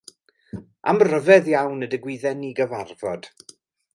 Am ryfedd iawn y digwydden ni gyfarfod!